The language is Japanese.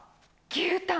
牛タン。